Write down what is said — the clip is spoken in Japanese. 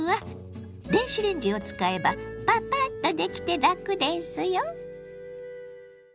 電子レンジを使えばパパッとできて楽ですよ。